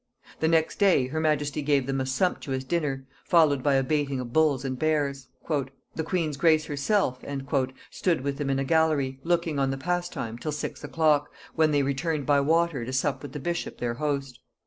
The next day her majesty gave them a sumptuous dinner, followed by a baiting of bulls and bears. "The queen's grace herself" stood with them in a gallery, looking on the pastime, till six o'clock, when they returned by water to sup with the bishop their host.